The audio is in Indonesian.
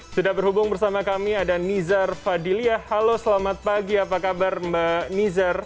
sudah berhubung bersama kami ada nizar fadilya halo selamat pagi apa kabar mbak nizar